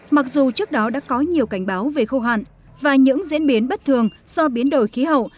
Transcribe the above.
mặc dù trước đó đã có nhiều cảnh báo về khô hạn và những diễn biến bất thường do biến đổi khí hậu